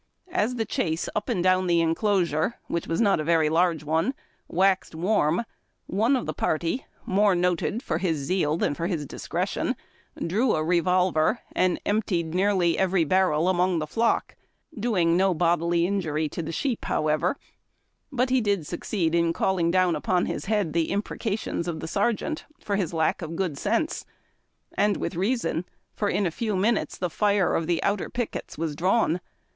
As the chase up and down the enclosure, which was not a very large one, waxed warm, one of the party, more noted for his zeal than his discretion, drew a revolver and emptied nearly every barrel among the flock, doing no bodily injury to the sheep, however, but lie did succeed in calling down upon his head the imprecations of the sergeant, for his lack of good sense, and with reason, for in a few minutes the fire of the outer pickets was drawn.